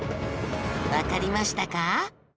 わかりましたか？